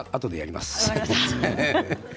あとでやります。